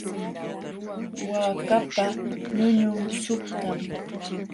Waakapa ñuñun suqtam.